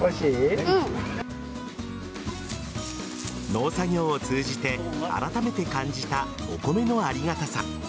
農作業を通じてあらためて感じたお米のありがたさ。